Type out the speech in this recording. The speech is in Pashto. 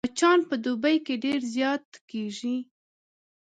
مچان په دوبي کې ډېر زيات کېږي